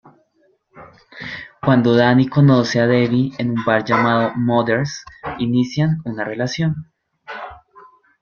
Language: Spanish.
Cuando Danny conoce a Debbie en un bar llamado Mother's, inician una relación.